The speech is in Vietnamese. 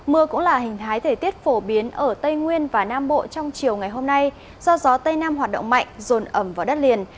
mưa cũng là hình thái thời tiết phổ biến ở tây nguyên và nam bộ trong chiều ngày hôm nay do gió tây nam hoạt động mạnh rồn ẩm vào đất liền